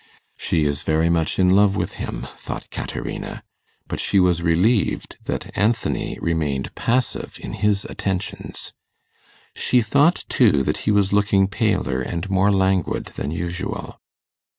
'She is very much in love with him,' thought Caterina. But she was relieved that Anthony remained passive in his attentions. She thought, too, that he was looking paler and more languid than usual.